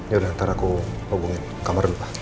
yaudah ntar aku hubungin kamar